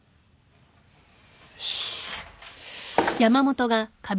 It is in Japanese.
よし。